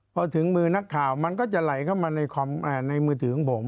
พอถึงมือนักข่าวมันก็จะไหลเข้ามาในมือถือของผม